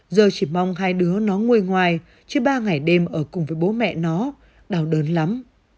giờ chỉ mong hai đứa nó ngồi ngoài chứ ba ngày đêm ở cùng với bố mẹ nó đau đớn lắm